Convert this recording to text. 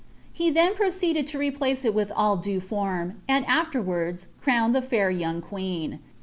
He then proceeded lo replace il with all dM form, and afterwards crowned the fair young queen.